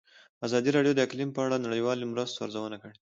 ازادي راډیو د اقلیم په اړه د نړیوالو مرستو ارزونه کړې.